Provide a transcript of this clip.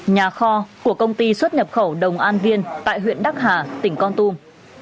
nhà kho của công ty xuất nhập khẩu đồng an viên tại huyện đắc hà tỉnh con tum